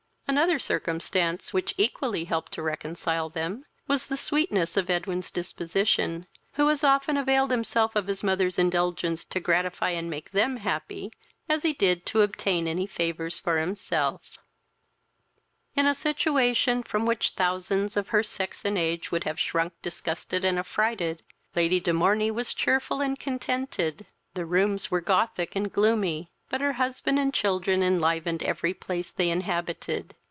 Another circumstance, which equally helped to reconcile them, was the sweetness of Edwin's disposition, who as often availed himself of his mother's indulgence to gratify and make them happy, as he did to obtain any of her favours for himself. In a situation from which thousands of her sex and age would have shrunk disgusted and affrighted, Lady de Morney was cheerful and contented. The rooms were Gothic and gloomy, but her husband and children enlivened every place they inhabited.